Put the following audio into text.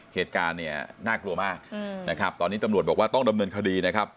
เหตุการณ์เนี่ยน่ากลัวมากนะครับตอนนี้ตำรวจบอกว่าต้องดำเนินคดีนะครับ